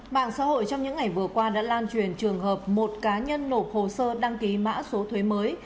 mạng xã hội trong những ngày vừa qua đã lan truyền trường hợp một cá nhân nộp hồ sơ đăng ký mã số thuế mới